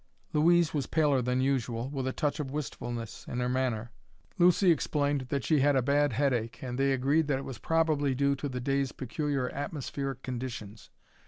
Louise was paler than usual, with a touch of wistfulness in her manner. Lucy explained that she had a bad headache, and they agreed that it was probably due to the day's peculiar atmospheric conditions.